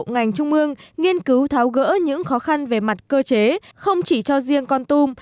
ngành trung ương nghiên cứu tháo gỡ những khó khăn về mặt cơ chế không chỉ cho riêng con tum